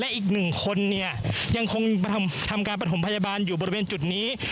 อีกหนึ่งคนเนี่ยยังคงทำการประถมพยาบาลอยู่บริเวณจุดนี้